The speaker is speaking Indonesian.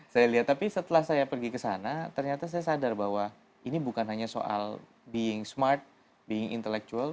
saya lihat tapi setelah saya pergi ke sana ternyata saya sadar bahwa ini bukan hanya soal being smart being intellectual